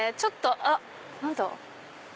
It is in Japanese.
あっ何だ？